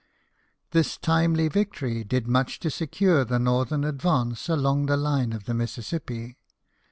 This timely victory did much to secure the northern advance along the line of the Mississippi.